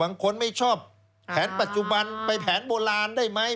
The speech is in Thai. บางคนไม่ชอบแผนปัจจุบันไปแผนโบราณได้ไหม